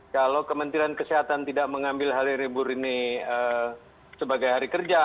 kalau kementerian kesehatan tidak mengambil hari libur ini sebagai hari kerja